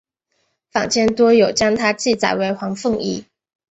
坊间多有将她记载为黄凤仪。